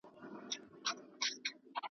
د تعلیم پر ضد ښکنځل او پوچ ویل وه .